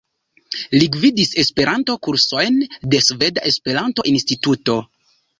Li gvidis Esperanto-kursojn de Sveda Esperanto-Instituto.